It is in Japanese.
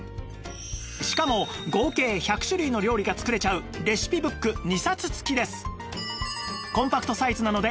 しかも合計１００種類の料理が作れちゃうレシピブック２冊付きです